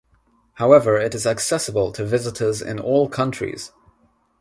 However it is accessible to visitors in all countries.